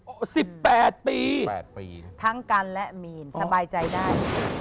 ๑๘ปี๘ปีทั้งกันและมีนสบายใจได้